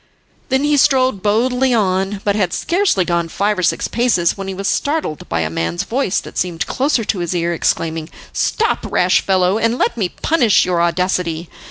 Then he strode boldly on, but had scarcely gone five or six paces when he was startled by a man's voice that seemed close to his ear, exclaiming: "Stop, rash fellow, and let me punish your audacity."